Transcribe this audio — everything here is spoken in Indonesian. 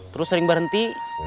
terus sering berhenti